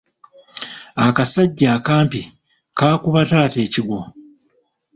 Akasajja akampi kaakuba taata ekigwo.